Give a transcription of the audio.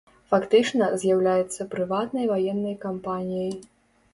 Фактычна, з'яўляецца прыватнай ваеннай кампаніяй.